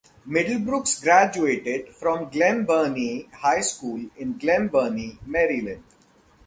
Middlebrooks graduated from Glen Burnie High School in Glen Burnie, Maryland.